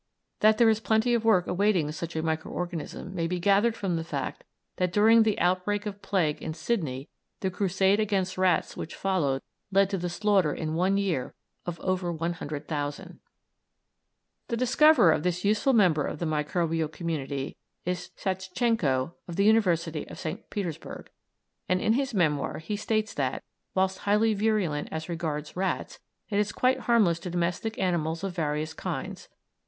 That there is plenty of work awaiting such a micro organism may be gathered from the fact that during the outbreak of plague in Sydney the crusade against rats which followed led to the slaughter in one year of over 100,000. The discoverer of this useful member of the microbial community is Tssatschenko, of the University of St. Petersburg, and in his memoir he states that, whilst highly virulent as regards rats, it is quite harmless to domestic animals of various kinds.